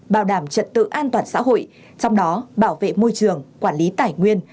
bảo đảm trật tự an toàn xã hội trong đó bảo vệ môi trường quản lý tài nguyên